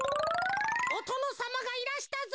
「おとのさまがいらしたぞ」。